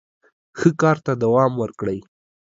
ښه کار ته دوام ورکړئ.